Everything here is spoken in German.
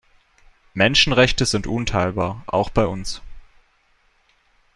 Menschenrechte sind unteilbar, auch bei uns.